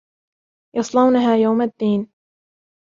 يَصْلَوْنَهَا يَوْمَ الدِّينِ